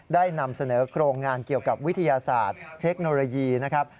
นำเสนอโครงงานเกี่ยวกับวิทยาศาสตร์เทคโนโลยีนะครับ